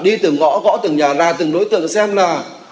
đi từng ngõ gõ từng nhà ra từng đối tượng xem là